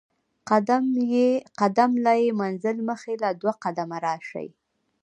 قدم له ئې منزل مخي له دوه قدمه راشي